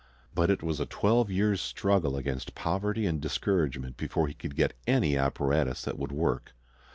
But it was a twelve years' struggle against poverty and discouragement before he could get any apparatus that would work.